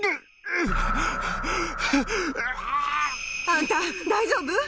あんた大丈夫？